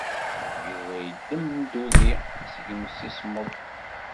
Yuba yeddem-d udi seg yimsismeḍ.